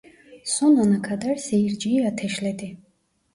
Son ana kadar seyirciyi ateşledi.